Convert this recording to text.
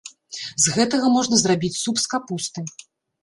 З гэтага можна зрабіць суп з капусты.